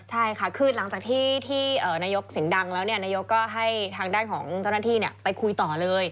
ใช่ค่ะคือหลังจากที่นายกเสียงดังแล้วนายกก็ให้ทางด้านของเจ้าหน้าที่ไปคุยต่อเลย